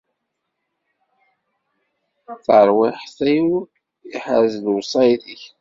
Tarwiḥt-iw tḥerrez lewṣayat-ik.